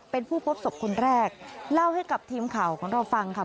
เป็นผู้พบศพคนแรกเล่าให้กับทีมข่าวของเราฟังค่ะ